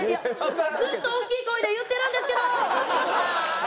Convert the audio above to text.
ずっと大きい声で言ってるんですけど！